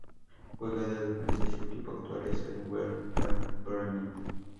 Juega de defensa y su equipo actual es el Werder Bremen.